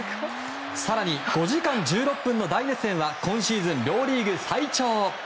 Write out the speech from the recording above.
更に、５時間１６分の大熱戦は今シーズン両リーグ最長。